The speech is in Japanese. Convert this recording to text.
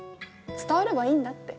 伝わればいいんだって。